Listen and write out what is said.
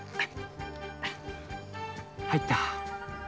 入った。